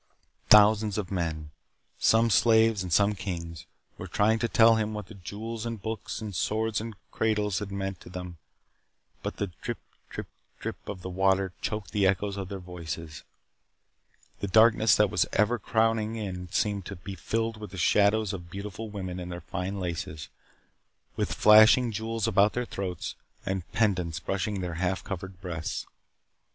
Thousands of men, some slaves and some kings, were trying to tell him what the jewels and books, and swords and cradles had meant to them but the drip drip drip of the water choked the echoes of their voices. The darkness that was ever crowding in seemed to be filled with the shadows of beautiful women in fine laces, with flashing jewels about their throats, and pendants brushing their half covered breasts.